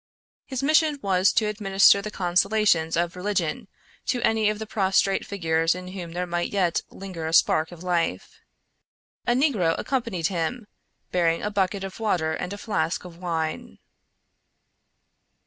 His mission was to administer the consolations of religion to any of the prostrate figures in whom there might yet linger a spark of life. A negro accompanied him, bearing a bucket of water and a flask of wine.